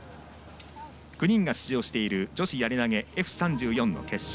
９人が出場している女子やり投げＦ３４の決勝。